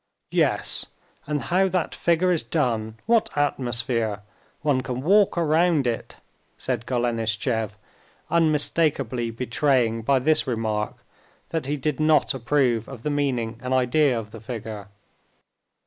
"Yes, and how that figure is done—what atmosphere! One can walk round it," said Golenishtchev, unmistakably betraying by this remark that he did not approve of the meaning and idea of the figure.